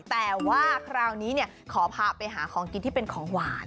แต่ว่าคราวนี้ขอพาไปหาของกินที่เป็นของหวาน